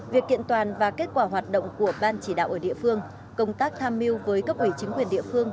việc kiện toàn và kết quả hoạt động của ban chỉ đạo ở địa phương công tác tham mưu với cấp ủy chính quyền địa phương